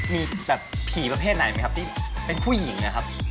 มีแบบผีประเภทไหนไหมครับที่เป็นผู้หญิงนะครับ